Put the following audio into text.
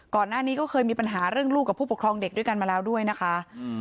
ก่อนหน้านี้ก็เคยมีปัญหาเรื่องลูกกับผู้ปกครองเด็กด้วยกันมาแล้วด้วยนะคะ